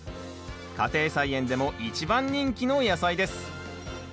家庭菜園でも一番人気の野菜です。